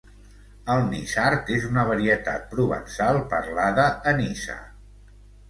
El niçard és una varietat provençal parlada a Niça.